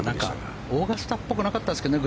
オーガスタっぽくなかったですけどね。